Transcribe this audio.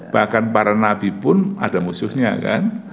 bahkan para nabi pun ada musuhnya kan